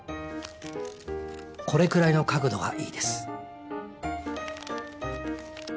これくらいの角度がいいです